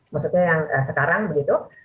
maksudnya yang sekarang begitu